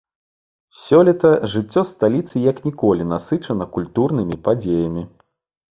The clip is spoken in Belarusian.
Сёлета жыццё сталіцы як ніколі насычана культурнымі падзеямі.